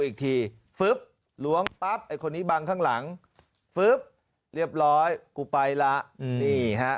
อีกทีฟึ๊บล้วงปั๊บไอ้คนนี้บังข้างหลังฟึ๊บเรียบร้อยกูไปละนี่ฮะ